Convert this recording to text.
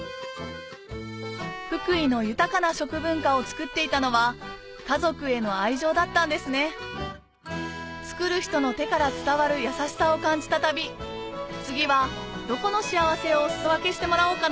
福井の豊かな食文化をつくっていたのは家族への愛情だったんですね作る人の手から伝わる優しさを感じた旅次はどこのしあわせをおすそわけしてもらおうかな